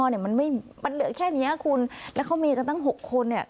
แต่มันเหลือแค่นี้ค่ะคุณแล้วเขามีกันตั้ง๖คนเนี่ย